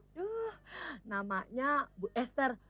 aduh namanya bu eser